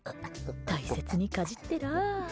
大切にかじってらあ。